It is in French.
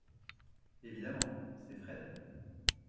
Evidemment, c’est Fred.